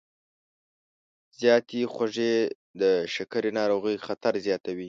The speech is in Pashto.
زیاتې خوږې د شکرې ناروغۍ خطر زیاتوي.